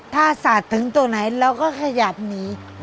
ถ้าสาดถึงตัวไหนเราก็ขยับหนี